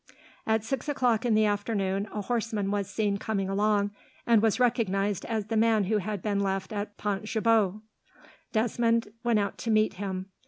At six o'clock in the afternoon, a horseman was seen coming along, and was recognized as the man who had been left at Pont Gibaut. Desmond went out to meet him.